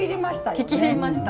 聞き入りました。